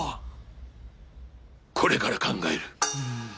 これから考える。